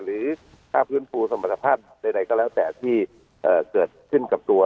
หรือค่าฟื้นฟูสมรรถภาพใดก็แล้วแต่ที่เกิดขึ้นกับตัว